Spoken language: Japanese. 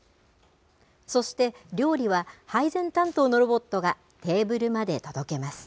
そして料理は、配膳担当のロボットがテーブルまで届けます。